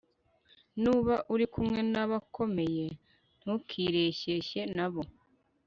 nuba uri kumwe n'abakomeye, ntukireshyeshye na bo